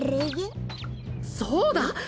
そうだ！